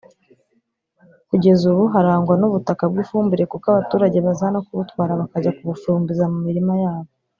Kugeza ubu harangwa n’ubutaka bw’ifumbire kuko abaturage baza no kubutwara bakajya kubufumbiza mu mirima yabo